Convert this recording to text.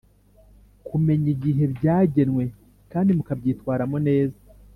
kumenya ibihe byagenwe kandi mukabyitwaramo neza